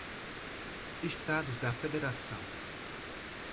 Estados da Federação